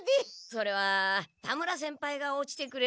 それは田村先輩が落ちてくれれば。